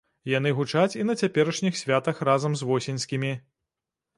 Яны гучаць і на цяперашніх святах разам з восеньскімі.